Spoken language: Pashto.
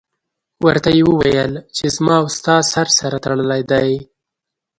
ورته یې وویل چې زما او ستا سر سره تړلی دی.